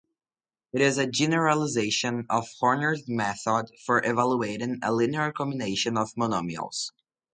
It is a generalization of Horner's method for evaluating a linear combination of monomials.